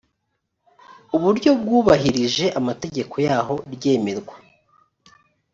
uburyo bwubahirije amategeko yaho ryemerwa